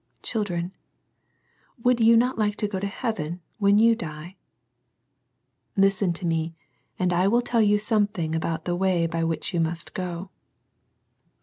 Children, would you not like to go to heaven when you die? Listen to me, and I will tell you something about the way by which you must go.